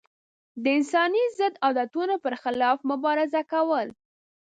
د انساني ضد عادتونو پر خلاف مبارزه کول.